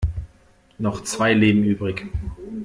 Noch zwei Leben übrig.